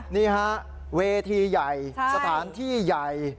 นี่ฮะเวทีใหญ่สถานที่ใหญ่